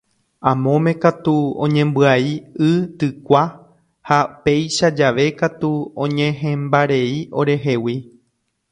Amóme katu oñembyai y tykua ha péicha jave katu oñehẽmbarei orehegui.